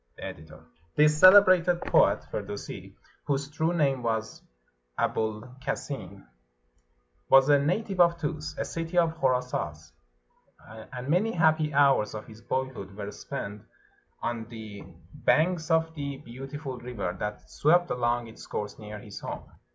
The Editor.] This celebrated poet [Firdusi], whose true name was Abul Kasin, was a native of Tus, a city of Khorasas, and many happy hours of his boyhood were spent on the banks of the beautiful river that swept along its course near his home.